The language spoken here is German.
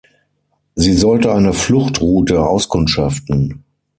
Sie sollte eine Fluchtroute auskundschaften.